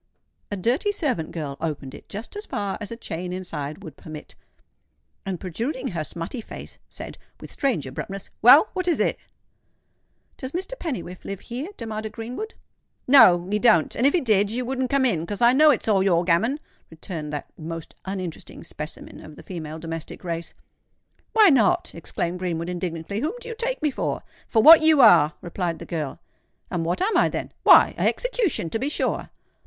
A dirty servant girl opened it just as far as a chain inside would permit; and protruding her smutty face, said, with strange abruptness, "Well, what is it?" "Does Mr. Pennywhiffe live here?" demanded Greenwood. "No—he don't; and, if he did, you wouldn't come in—'cos I know it's all your gammon," returned that most uninteresting specimen of the female domestic race. "Why not?" exclaimed Greenwood, indignantly. "Whom do you take me for?" "For what you are," replied the girl. "And what am I, then?" "Why—a execution, to be sure."